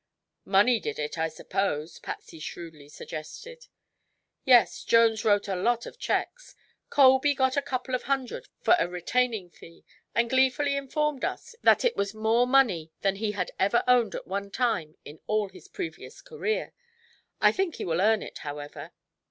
"Money did it, I suppose," Patsy shrewdly suggested. "Yes. Jones wrote a lot of checks. Colby got a couple of hundred for a retaining fee and gleefully informed us it was more money than he had ever owned at one time in all his previous career. I think he will earn it, however."